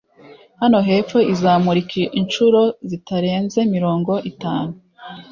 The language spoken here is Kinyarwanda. hano hepfo izamurika inshuro zitarenze mirongo itanu